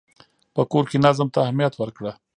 په کور کې نظم ته اهمیت ورکړه.